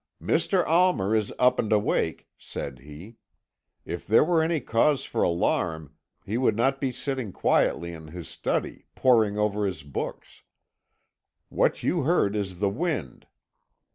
"'Mr. Almer is up and awake,' said he. 'If there were any cause for alarm he would not be sitting quietly in his study, poring over his books. What you heard is the wind.